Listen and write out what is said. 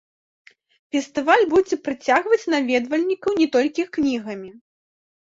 Фестываль будзе прыцягваць наведвальнікаў не толькі кнігамі.